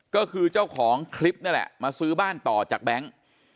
ก็คือเจ้าของคลิปนี่แหละมาซื้อบ้านต่อจากแบงค์